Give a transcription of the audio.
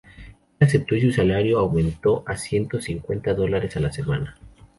Él aceptó, y su salario aumentó a ciento cincuenta dólares a la semana.